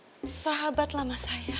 dan bersama sahabat lama saya